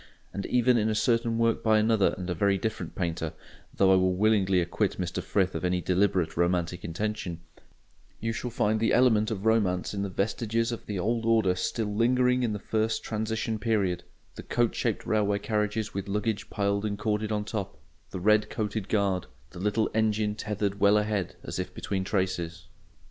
And even in a certain work by another and a very different painter—though I willingly acquit Mr Frith of any deliberate romantic intention—you shall find the element of romance in the vestiges of the old order still lingering in the first transition period: the coach shaped railway carriages with luggage piled and corded on top, the red coated guard, the little engine tethered well ahead as if between traces.